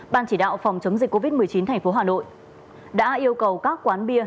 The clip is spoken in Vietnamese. ban chỉ đạo phòng chống dịch covid một mươi chín thành phố hà nội đã yêu cầu các quán bia